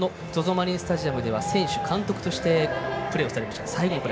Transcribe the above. マリンスタジアムでは選手、監督としてプレーされました。